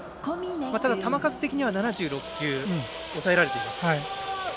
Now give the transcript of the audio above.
ただ、球数的には７６球押さえられています。